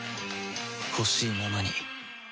ほしいままに